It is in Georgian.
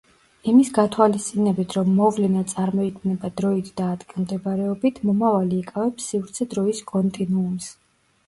იმის გათვალისწინებით, რომ მოვლენა წარმოიქმნება დროით და ადგილმდებარეობით, მომავალი იკავებს სივრცე-დროის კონტინუუმს.